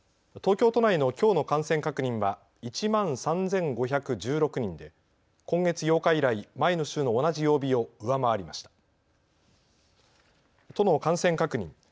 東京都内のきょうの感染確認は１万３５１６人で今月８日以来、前の週の同じ曜日を上回りました。